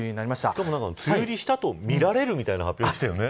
でも何か、梅雨入りしたとみられるみたいな発表でしたね。